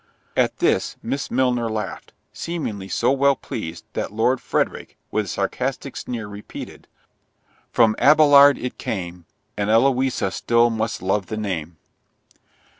At this Miss Milner laughed, seemingly so well pleased, that Lord Frederick, with a sarcastic sneer, repeated, "From Abelard it came, And Eloisa still must love the name."